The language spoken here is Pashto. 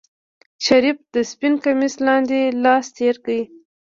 شريف د سپين کميس لاندې لاس تېر کړ.